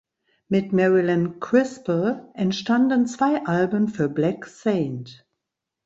Mit Marilyn Crispell entstanden zwei Alben für Black Saint.